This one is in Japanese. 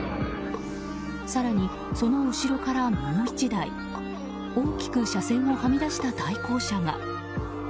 更に、その後ろからもう１台大きく車線をはみ出した対向車が。